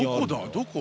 どこ？